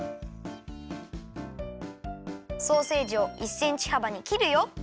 ソーセージを１センチはばにきるよ。